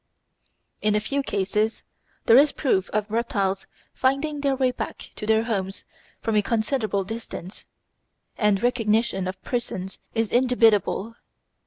In a few cases there is proof of reptiles finding their way back to their homes from a considerable distance, and recognition of persons is indubitable.